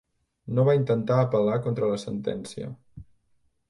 No va intentar apel·lar contra la sentència.